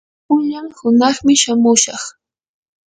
pullan hunaqmi shamushaq.